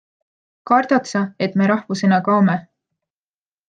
Kardad sa, et me rahvusena kaome?